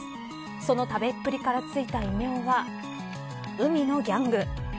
その食べっぷりから付いた異名は海のギャング。